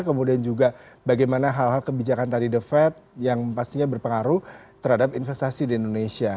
kemudian juga bagaimana hal hal kebijakan tadi the fed yang pastinya berpengaruh terhadap investasi di indonesia